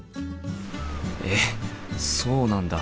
えっそうなんだ。